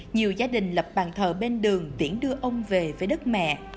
nhiều gia đình lập bàn thờ bên đường tiễn đưa ông về với đất mẹ